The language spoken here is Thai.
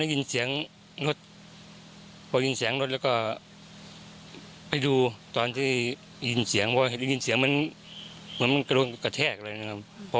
ยินเสียงรถแล้วก็ไปดูตอนที่ยินเสียงเพราะว่าเห็นยินเสียงมันกระโดดกระแทกเลยนะครับ